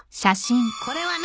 これは何？